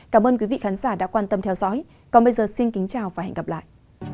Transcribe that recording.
cảm ơn quý vị khán giả đã quan tâm theo dõi còn bây giờ xin kính chào và hẹn gặp lại